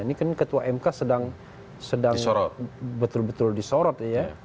ini kan ketua mk sedang betul betul disorot ya